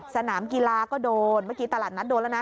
สนามกีฬาก็โดนเมื่อกี้ตลาดนัดโดนแล้วนะ